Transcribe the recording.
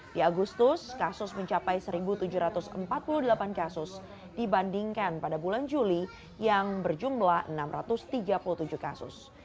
di agustus kasus mencapai satu tujuh ratus empat puluh delapan kasus dibandingkan pada bulan juli yang berjumlah enam ratus tiga puluh tujuh kasus